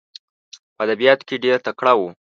په ادبیاتو کې ډېر تکړه وو.